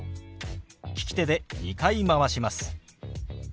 利き手で２回回します。